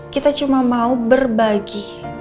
kita cuma mau berbagi